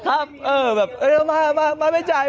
ครับเออแบบมาไม่จ่ายไม่จ่าย